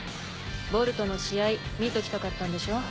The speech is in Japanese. ボルトの試合見ときたかったんでしょ？